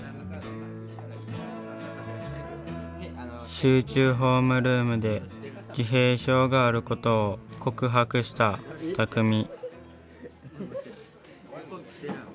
集中ホームルームで自閉症があることを告白したたくみ。